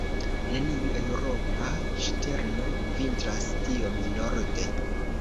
Neniu eŭropa ŝterno vintras tiom norde.